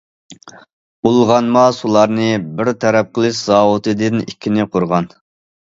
بۇلغانما سۇلارنى بىر تەرەپ قىلىش زاۋۇتىدىن ئىككىنى قۇرغان.